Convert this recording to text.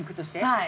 はい。